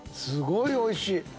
すごいおいしい！